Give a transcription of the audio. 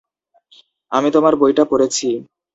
আমি তোমার বইটা পড়ছি।